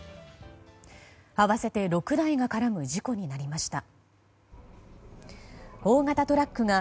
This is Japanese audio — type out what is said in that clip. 合わせて６台が絡む事故になりました。